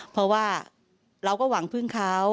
เพราะว่าเราก็หวังพึ่งเขา